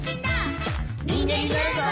「にんげんになるぞ！」